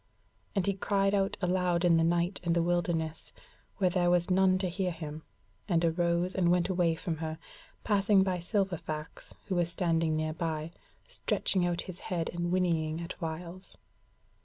And he cried out aloud in the night and the wilderness, where there was none to hear him, and arose and went away from her, passing by Silverfax who was standing nearby, stretching out his head, and whinnying at whiles.